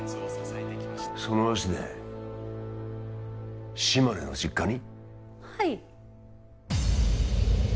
その足で島根の実家に？